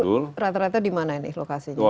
itu rata rata dimana ini lokasinya